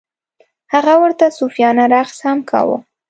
هغه ورته صوفیانه رقص هم کاوه.